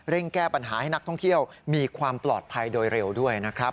แก้ปัญหาให้นักท่องเที่ยวมีความปลอดภัยโดยเร็วด้วยนะครับ